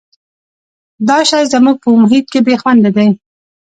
دا شی زموږ په محیط کې بې خونده دی.